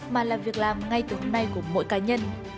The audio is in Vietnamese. mà là việc làm ngay từ hôm nay của mỗi cá nhân